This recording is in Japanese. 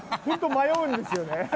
ホント迷うんですよね。